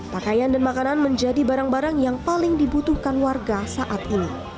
pakaian dan makanan menjadi barang barang yang paling dibutuhkan warga saat ini